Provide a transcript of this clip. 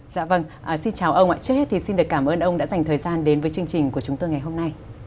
dạ vâng xin chào ông ạ trước hết thì xin được cảm ơn ông đã dành thời gian đến với chương trình của chúng tôi ngày hôm nay